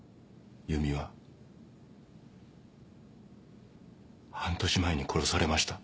由美は半年前に殺されました。